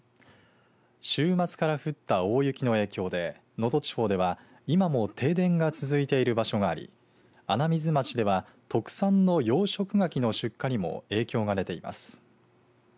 週末から降った大雪の影響で能登地方では今も停電が続いている場所があり穴水町では特産の養殖がきの出荷にも影響が出ています。